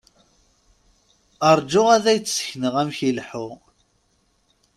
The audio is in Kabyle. Ṛǧu ad ak-d-sekneɣ amek i ileḥḥu.